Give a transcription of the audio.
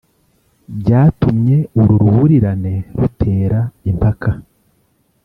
Byatumye uru ruhurirane rutera impaka